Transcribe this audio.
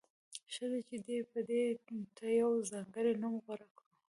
ښه ده چې دې پدیدې ته یو ځانګړی نوم غوره کړو.